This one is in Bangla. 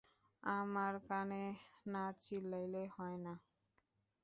আমার কানে না চিল্লাইলে হয় না?